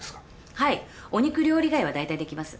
はいお肉料理以外はだいたいできます。